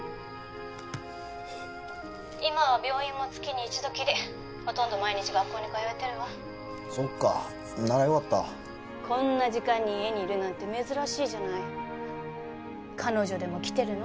☎今は病院も月に１度きりほとんど毎日学校に通えてるわそっかなら良かったこんな時間に家にいるなんて珍しいじゃない彼女でも来てるの？